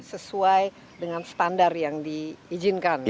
sesuai dengan standar yang diizinkan